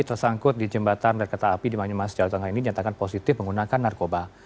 tersangkut di jembatan rakyat api di manjumas jawa tengah ini nyatakan positif menggunakan narkoba